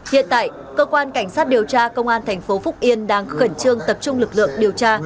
hiện tại cơ quan cảnh sát điều tra công an thành phố phúc yên đang khẩn trương tập trung lực lượng điều tra